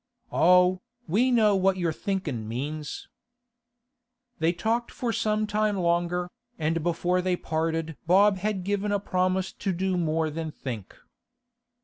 'Oh, we know what your thinkin' means.' They talked for some time longer, and before they parted Bob had given a promise to do more than think.